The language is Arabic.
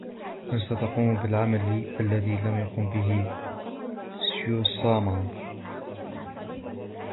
هل ستقوم بالعمل الذي لم يقم به سيوسامه ؟